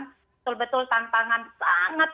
betul betul tantangan sangat